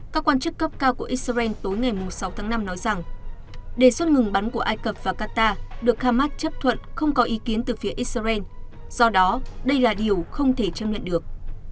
các quan chức cấp cao của israel tối ngày sáu tháng năm nói rằng đề xuất ngừng bắn của ai cập và qatar được hamas chấp thuận không có ý kiến từ phía israel do đó đây là điều không thể chấp nhận được